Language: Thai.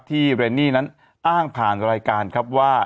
เรนนี่นั้นอ้างผ่านรายการครับว่า